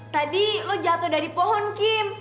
tadi lo jatuh dari pohon kim